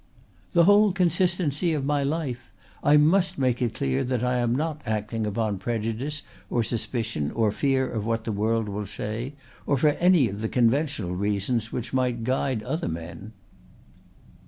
"The whole consistency of my life. I must make it clear that I am not acting upon prejudice or suspicion or fear of what the world will say or for any of the conventional reasons which might guide other men."